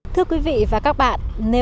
thưa quý vị và các bạn